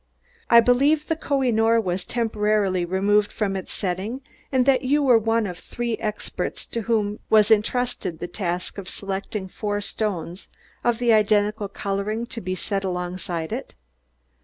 "I believe the Koh i noor was temporarily removed from its setting, and that you were one of three experts to whom was intrusted the task of selecting four stones of the identical coloring to be set alongside it?"